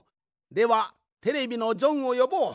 ではテレビのジョンをよぼう。